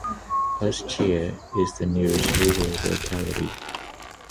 Ustye is the nearest rural locality.